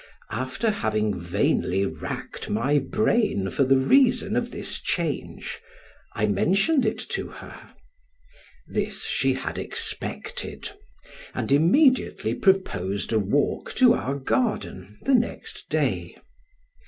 After having vainly racked my brain for the reason of this change, I mentioned it to her; this she had expected and immediately proposed a walk to our garden the next day.